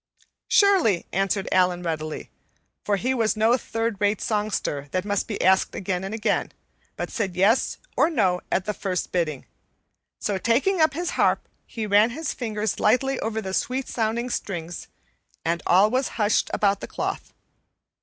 "Surely," answered Allan readily; for he was no third rate songster that must be asked again and again, but said "yes" or "no" at the first bidding; so, taking up his harp, he ran his fingers lightly over the sweetly sounding strings, and all was hushed about the cloth.